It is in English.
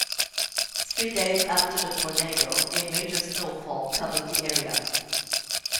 Three days after the tornado, a major snowfall covered the area.